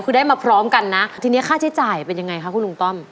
คือได้มาพร้อมกันนะทีนี้ค่าใช้จ่ายเป็นยังไงคะคุณลุงต้อม